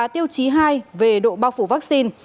tiêu chí hai về độ bao phủ vaccine